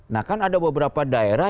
nah kan ada beberapa daerah